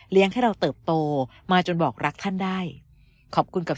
ให้เราเติบโตมาจนบอกรักท่านได้ขอบคุณกับ